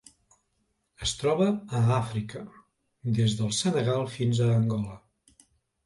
Es troba a Àfrica: des del Senegal fins a Angola.